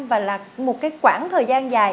và là một quãng thời gian dài